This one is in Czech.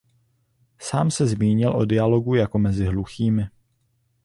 Sám se zmínil o dialogu jako mezi hluchými.